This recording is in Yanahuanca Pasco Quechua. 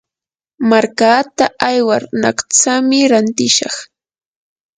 markaata aywar naqtsami rantishaq.